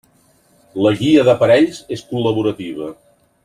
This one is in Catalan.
La guia d'aparells és col·laborativa.